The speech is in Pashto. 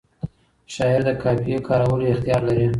شاعر د قافیه کارولو اختیار لري.